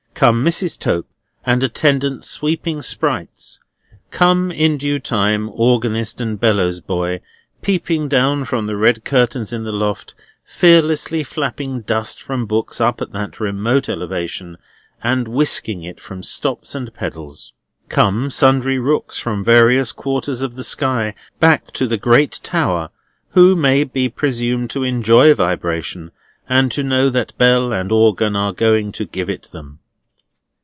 Come Mrs. Tope and attendant sweeping sprites. Come, in due time, organist and bellows boy, peeping down from the red curtains in the loft, fearlessly flapping dust from books up at that remote elevation, and whisking it from stops and pedals. Come sundry rooks, from various quarters of the sky, back to the great tower; who may be presumed to enjoy vibration, and to know that bell and organ are going to give it them.